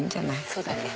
そうだね。